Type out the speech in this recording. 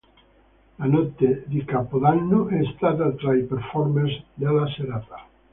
La notte di capodanno è stata tra i performers della serata.